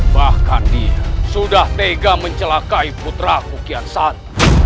bahkan dia sudah tega mencelakai putra kukiansan